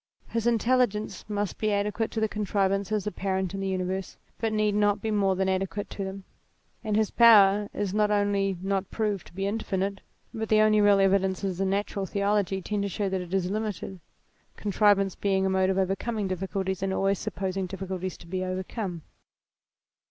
His intelligence must be adequate to the contrivances apparent in the universe, but need not be more than adequate to them, and his power is not only not proved to be infinite, but the only real evidences in natural theology tend to show that it is limited, contrivance being a mode of overcoming difficulties, and always supposing difficulties to be overcome.